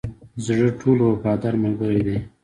زړه ټولو وفادار ملګری دی.